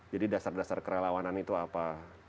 jadi dasar dasar kerelawanan itu apa